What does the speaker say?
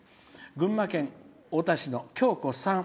群馬県太田市のきょうこさん。